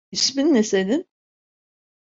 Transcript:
İsmin ne senin?